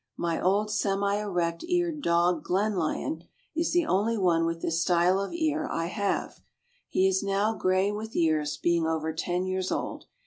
My old semi erect eared dog Glenlyon is the only one with this style of ear I have. He is now gray with years, being over ten years old.